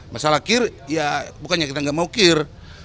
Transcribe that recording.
masalah kir ya bukannya kita nggak mau kir